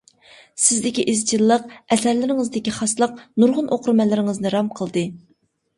سىزدىكى ئىزچىللىق، ئەسەرلىرىڭىزدىكى خاسلىق نۇرغۇن ئوقۇرمەنلىرىڭىزنى رام قىلدى.